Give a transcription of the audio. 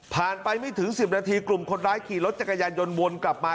ไปไม่ถึง๑๐นาทีกลุ่มคนร้ายขี่รถจักรยานยนต์วนกลับมา